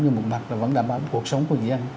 nhưng một mặt là vẫn đảm bảo cuộc sống của người dân